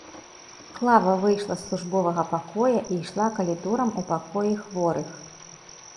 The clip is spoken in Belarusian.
Клава выйшла з службовага пакоя і ішла калідорам у пакоі хворых.